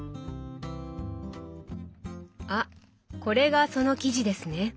あこれがその生地ですね。